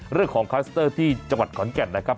คลัสเตอร์ที่จังหวัดขอนแก่นนะครับ